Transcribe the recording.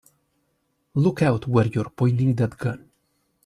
Look out where you're pointing that gun!